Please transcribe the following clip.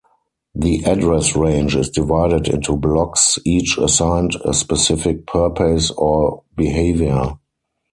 The address range is divided into blocks each assigned a specific purpose or behavior.